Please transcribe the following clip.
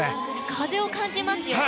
風を感じますよね。